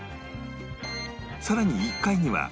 さらに１階には